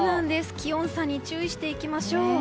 気温差に注意していきましょう。